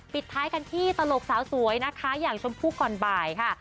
ปิดท้ายกันที่ตลกสาวสวยนะคะอย่างชมพู่ก่อนบ่ายค่ะ